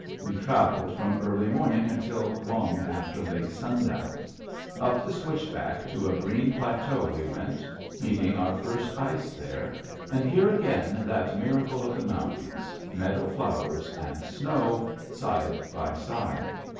We traveled from early morning until long after late sundown. Up the switchback to a green plateau we went, meeting our first ice there, and here again that miracle of the mountains, meadow flowers and snow side by side.